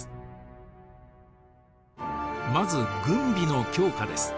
まず軍備の強化です。